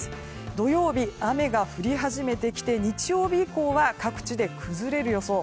土曜日、雨が降り始めてきて日曜日以降は各地で崩れる予想。